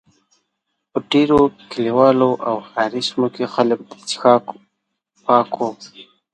په ډېرو کلیوالو او ښاري سیمو کې خلک د څښاک پاکو.